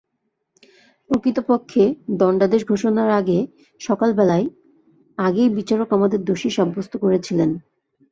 প্রকৃতপক্ষে, দণ্ডাদেশ ঘোষণার আগে, সকালবেলায়, আগেই বিচারক আমাদের দোষী সাব্যস্ত করেছিলেন।